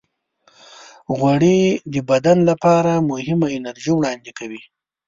غوړې د بدن لپاره مهمه انرژي وړاندې کوي.